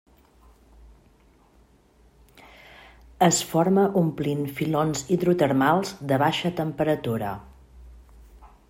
Es forma omplint filons hidrotermals de baixa temperatura.